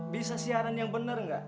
bisa siaran yang bener enggak